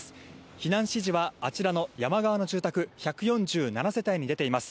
避難指示はあちらの山側の住宅、１４７世帯に出ています。